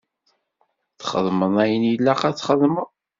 Txedmeḍ ayen ilaq ad txedmeḍ.